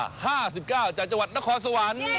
๕๙จากจังหวัดนครสวรรค์